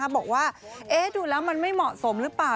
บอกว่าดูแล้วมันไม่เหมาะสมหรือเปล่า